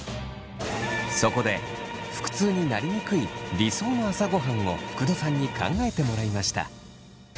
そこで腹痛になりにくい理想の朝ごはんを福土さんに考えてもらいました。